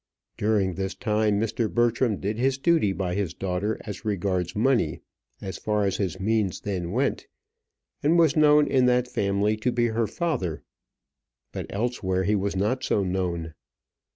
During this time Mr. Bertram did his duty by his daughter as regards money, as far as his means then went, and was known in that family to be her father; but elsewhere he was not so known.